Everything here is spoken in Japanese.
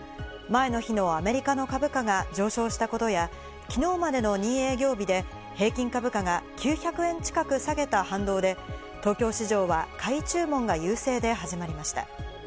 前の日のアメリカの株価が上昇したことや、昨日までの２営業日で平均株価が９００円近く下げた反動で東京市場は買い注文が優勢で始まりました。